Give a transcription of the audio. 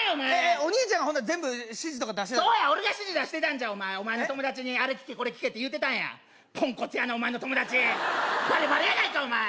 お兄ちゃんが全部指示とか出してそうや俺が指示出してたんじゃお前の友達にあれ聞けこれ聞けと言うてたんやポンコツやなお前の友達バレバレやないかお前！